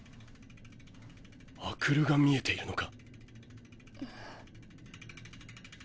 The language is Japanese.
阿久留が見えているのか。